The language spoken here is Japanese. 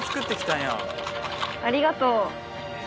ありがとう。